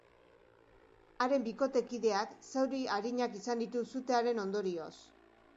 Haren bikotekideak zauri arinak izan ditu sutearen ondorioz.